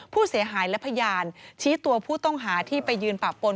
ผู้เสียหายและพยานชี้ตัวผู้ต้องหาที่ไปยืนปะปน